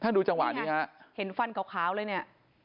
ถ้าดูจังหวัดนี้นะครับเห็นฟันขาวเลยเนี่ย